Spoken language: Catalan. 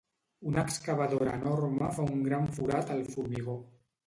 Una excavadora enorme fa un gran forat al formigó.